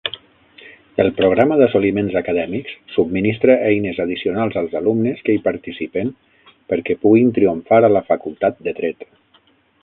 El Programa d'Assoliments Acadèmics subministra eines addicionals als alumnes que hi participen perquè puguin triomfar a la facultat de dret.